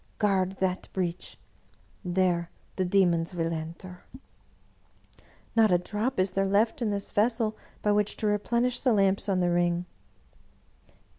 Guard that breach — ^there the demons will enter." " Not a drop is there left in this vessel by which to re plenish the lamps on the ring."